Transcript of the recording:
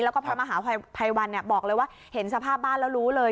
แล้วก็พระมหาภัยวันบอกเลยว่าเห็นสภาพบ้านแล้วรู้เลย